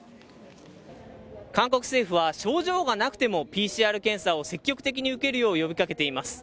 韓国政府は、症状がなくてもＰＣＲ検査を積極的に受けるよう呼びかけています。